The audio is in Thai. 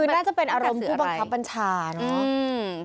คือน่าจะเป็นอารมณ์ผู้บังคับบัญชาเนอะ